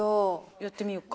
やってみようか。